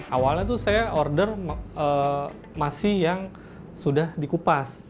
awalnya tuh saya order masih yang sudah dikupas